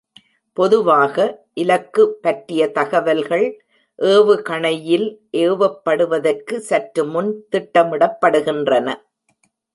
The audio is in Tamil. பொதுவாக, இலக்கு பற்றிய தகவல்கள் ஏவுகணையில் ஏவப்படுவதற்கு சற்று முன் திட்டமிடப்படுகின்றன.